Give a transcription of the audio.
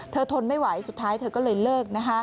ทนไม่ไหวสุดท้ายเธอก็เลยเลิก